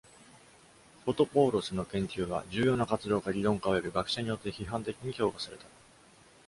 Fotopoulos の研究は、重要な活動家、理論家、および学者によって批判的に評価された。